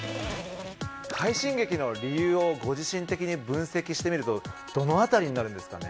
快進撃の理由をご自身的に分析してみるとどの辺りになるんですかね？